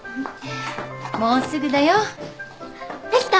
もうすぐだよ。できた？